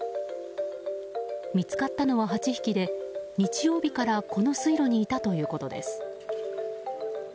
見つかったのは８匹で日曜日からこの水路にいたということです。